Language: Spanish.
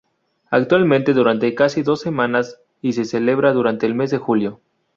Actualmente dura casi dos semanas y se celebra durante el mes de julio.